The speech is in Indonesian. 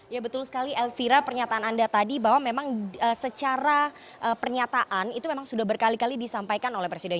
ya betul sekali elvira pernyataan anda tadi bahwa memang secara pernyataan itu memang sudah berkali kali disampaikan oleh presiden